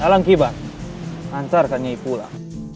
alangkibar hancarkan nyai pulang